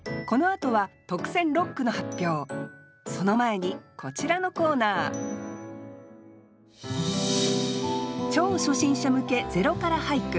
その前にこちらのコーナー超初心者向け「０から俳句」。